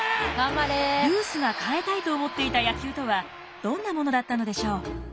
ルースが変えたいと思っていた野球とはどんなものだったのでしょう。